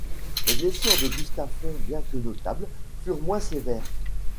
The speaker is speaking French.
Les blessures de Gustafsson, bien que notables, furent moins sévères.